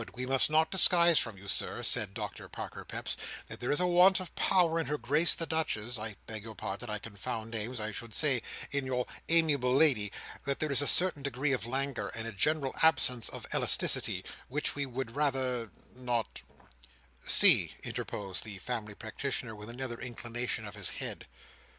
We must not disguise from you, Sir," said Doctor Parker Peps, "that there is a want of power in Her Grace the Duchess—I beg your pardon; I confound names; I should say, in your amiable lady. That there is a certain degree of languor, and a general absence of elasticity, which we would rather—not—" "See," interposed the family practitioner with another inclination of the head.